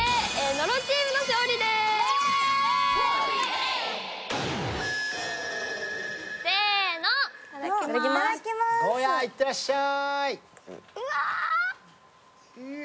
ゴーヤいってらっしゃい。